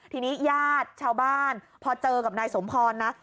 ทีนี้ญาติชาวบ้านพอเจอกับนายสมพรนะ